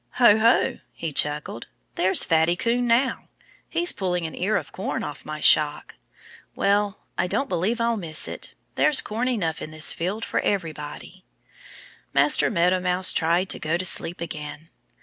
"Ho, ho!" he chuckled. "There's Fatty Coon now! He's pulling an ear of corn off my shock. Well, I don't believe I'll miss it. There's corn enough in this field for everybody." Master Meadow Mouse tried to go to sleep again.